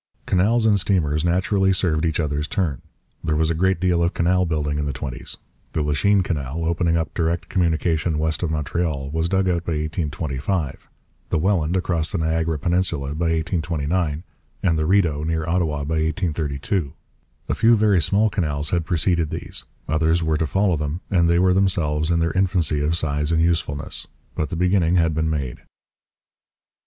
Canals and steamers naturally served each other's turn. There was a great deal of canal building in the twenties. The Lachine Canal, opening up direct communication west of Montreal, was dug out by 1825, the Welland, across the Niagara peninsula, by 1829, and the Rideau, near Ottawa, by 1832. A few very small canals had preceded these; others were to follow them; and they were themselves in their infancy of size and usefulness. But the beginning had been made.